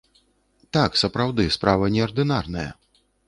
Так, сапраўды, справа неардынарная.